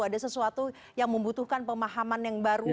ada sesuatu yang membutuhkan pemahaman yang baru